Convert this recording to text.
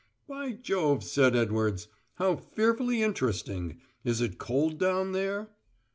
"By Jove," said Edwards. "How fearfully interesting! Is it cold down there?"